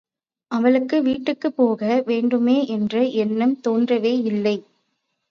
அவளுக்கு வீட்டுக்குப் போக வேண்டுமே என்ற எண்ணம் தோன்றவேயில்லை.